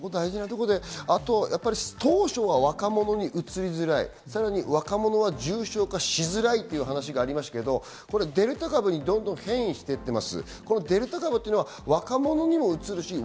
あと当初は若者にうつりづらい、若者は重症化しづらいという話がありましたけど、デルタ株にどんどん変異して行っています。